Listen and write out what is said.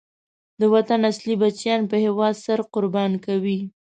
د وطن اصلی بچیان په هېواد سر قربان کوي.